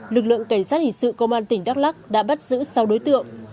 lực lượng cảnh sát hình sự công an tỉnh đắk lắc đã bắt giữ sáu đối tượng